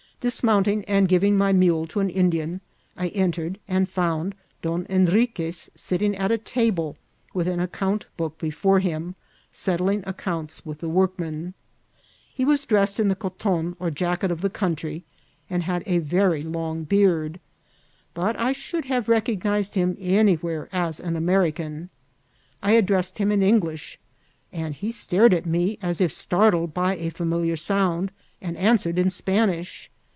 Dismounting and giving my mule to an Indian, I entered and found Don Hen riques sitting at a table with an account book before him, settling accounts with the workmen. He was dressed in the coton or jacket of the country, and had a very long beard; but I should have recognised him any where as an American. I addressed him in English, and he stared at me, as if startled by a familiar sound, and answered in Spanish.